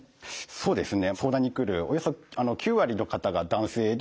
そうですね。